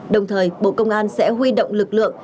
đồng thời bộ công an sẽ huy động lực lượng